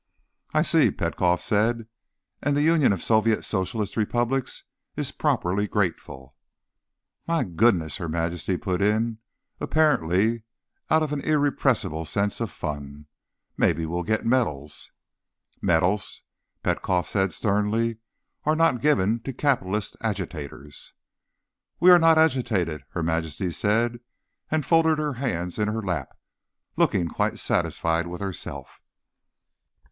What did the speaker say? "I see," Petkoff said. "And the Union of Soviet Socialist Republics is properly grateful." "My goodness," Her Majesty put in, apparently out of an irrepressible sense of fun. "Maybe we'll get medals." "Medals," Petkoff said sternly, "are not given to capitalist agitators." "We are not agitated," Her Majesty said, and folded her hands in her lap, looking quite satisfied with herself.